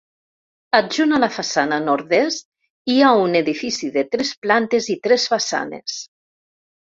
Adjunt a la façana nord-est, hi ha un edifici de tres plantes i tres façanes.